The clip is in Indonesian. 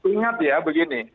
ingat ya begini